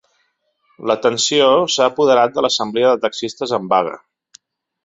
La tensió s’ha apoderat de l’assemblea de taxistes en vaga.